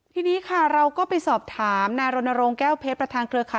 ทีนี้ค่ะเราก็ไปสอบถามนายรณรงค์แก้วเพชรประธานเครือข่าย